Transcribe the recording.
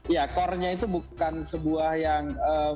ya core nya itu bukan sebuah yang